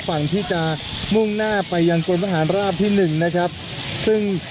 ฝั่งที่จะมุ่งหน้าไปยังกรมทหารราบที่หนึ่งนะครับซึ่ง